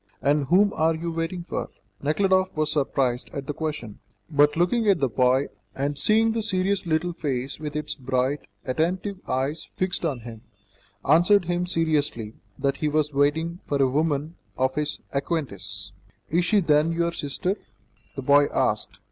"And whom are you waiting for?" Nekhludoff was surprised at the question, but looking at the boy, and seeing the serious little face with its bright, attentive eyes fixed on him, answered him seriously that he was waiting for a woman of his acquaintance. "Is she, then, your sister?" the boy asked.